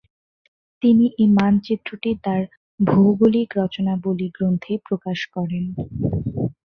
তিনি এ মানচিত্রটি তার "ভৌগোলিক রচনাবলি" গ্রন্থে প্রকাশ করেন।